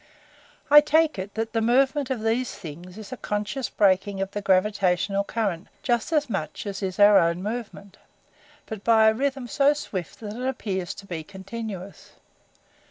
"I take it that the movement of these Things is a conscious breaking of the gravitational current just as much as is our own movement, but by a rhythm so swift that it appears to be continuous.